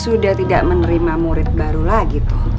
sudah tidak menerima murid baru lagi tuh